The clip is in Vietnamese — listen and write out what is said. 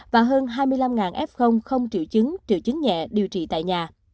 và hơn hai mươi năm f không triệu chứng triệu chứng nhẹ điều trị tại nhà